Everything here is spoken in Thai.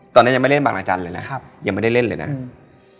ตอนนี้ยังไม่เล่นบางนาจันทร์เลยนะครับยังไม่ได้เล่นเลยนะครับ